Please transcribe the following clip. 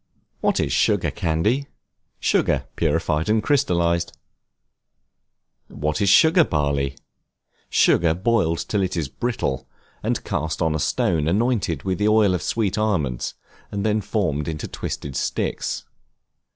What is Sugar Candy? Sugar purified and crystallized. What is Barley Sugar? Sugar boiled till it is brittle, and cast on a stone anointed with oil of sweet almonds, and then formed into twisted sticks.